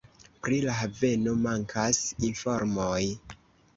Pri la haveno mankas informoj.